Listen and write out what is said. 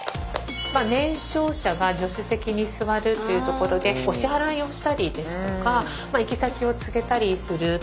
年少者が助手席に座るっていうところでお支払いをしたりですとか行き先を告げたりするという意味で。